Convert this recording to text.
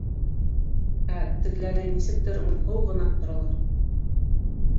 Ә тегеләре нисектер моңһоу гына торалар.